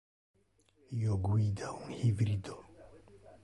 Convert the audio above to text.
Io guida un hybrido.